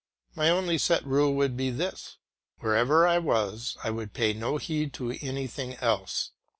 My only set rule would be this: wherever I was I would pay no heed to anything else.